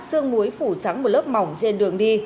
sương muối phủ trắng một lớp mỏng trên đường đi